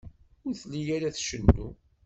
Ur telli ara tcennu.